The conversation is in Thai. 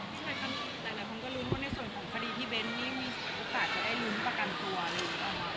ใช่ค่ะแต่ละคนก็รุ้นว่าในส่วนของคดีที่เบ้นไม่มีโอกาสจะให้รุ้นประกันตัวอะไรหรือเปล่า